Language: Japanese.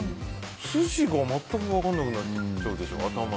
筋が全く分からなくなっちゃうでしょ。